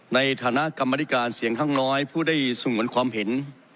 ในฐานะกรรมธิการเสียงข้างน้อยผู้ได้สงวนความเห็น